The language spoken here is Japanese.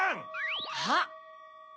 あっ。